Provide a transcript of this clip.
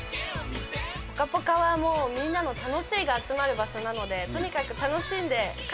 『ぽかぽか』はみんなの楽しいが集まる場所なのでとにかく楽しんで勝てたらいいなと思います。